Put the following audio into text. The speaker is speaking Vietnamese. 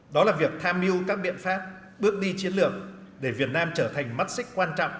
đó là việc tham mưu các biện pháp bước đi chiến lược để việt nam trở thành mắt xích quan trọng